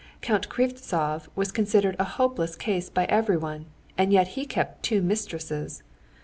Count Krivtsov was considered a hopeless case by everyone, and yet he kept two mistresses.